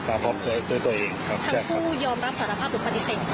ทั้งคู่ยอมรับสารภาพหรือปฏิเสธ